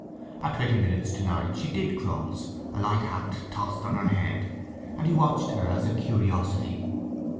At twenty minutes to nine she did cross, a light hat tossed on her head; and he watched her as a curiosity.